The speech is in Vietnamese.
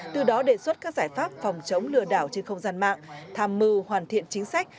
từ đó đề xuất các giải pháp phòng chống lừa đảo trên không gian mạng tham mưu hoàn thiện chính sách